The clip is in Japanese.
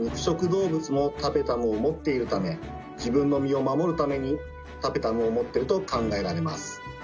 動物もタペタムを持っているため自分の身を守るためにタペタムを持ってると考えられます。